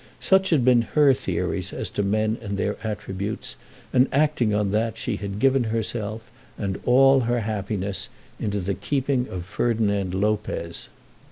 Such had been her theories as to men and their attributes, and acting on that, she had given herself and all her happiness into the keeping of Ferdinand Lopez.